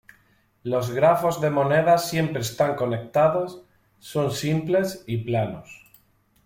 Los grafos de monedas siempre están conectados, son simples, y planos.